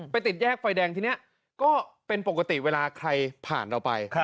ติดแยกไฟแดงทีนี้ก็เป็นปกติเวลาใครผ่านเราไป